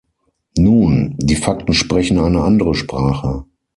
Nun, die Fakten sprechen eine andere Sprache.